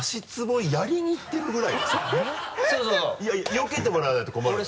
よけてもらわないと困るのよ。